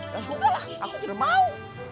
ya sudah lah aku tidak mau